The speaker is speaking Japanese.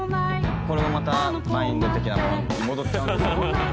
「これもまたマインド的なものに戻っちゃうんですけど」